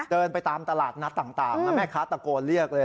เดินไปตามตลาดนัดต่างแล้วแม่ค้าตะโกนเรียกเลย